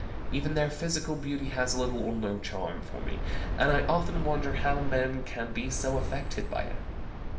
Even their physical beauty has little or no charm for me, and I often wonder how men can be so affected by it.